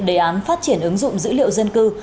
đề án phát triển ứng dụng dữ liệu dân cư